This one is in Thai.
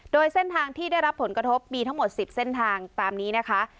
โดยเส้นทางที่ได้รับผลกระทบมีทั้งหมด๑๐เส้นทางตามนี้นะคะ